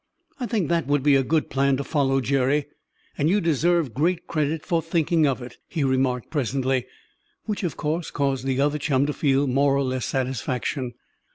"I think that would be a good plan to follow, Jerry, and you deserve great credit for thinking of it," he remarked presently, which of course caused the other chum to feel more or less satisfaction.